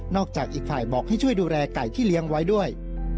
จากอีกฝ่ายบอกให้ช่วยดูแลไก่ที่เลี้ยงไว้ด้วย